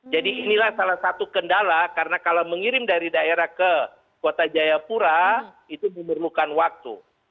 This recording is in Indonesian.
jadi inilah salah satu kendala karena kalau mengirim dari daerah ke kota jayapura itu memerlukan waktu